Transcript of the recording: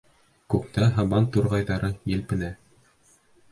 Күктә һабан турғайҙары елпенә.